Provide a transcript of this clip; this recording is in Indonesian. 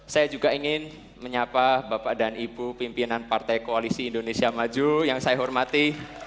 saya juga ingin menyapa bapak dan ibu pimpinan partai koalisi indonesia maju yang saya hormati